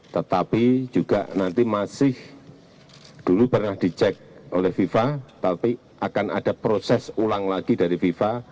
tetapi juga nanti masih dulu pernah dicek oleh fifa tapi akan ada proses ulang lagi dari fifa